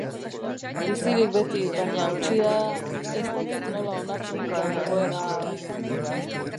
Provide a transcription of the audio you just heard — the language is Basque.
Bizirik beti, baina hautsia... ez dakit nola onartzen dudan egoera hau...